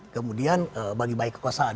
kemudian bagi baik kekuasaan